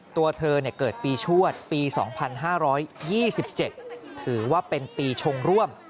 ตัวเธอเกิดปีชวดปี๒๕๒๗ถือว่าเป็นปีชงร่วม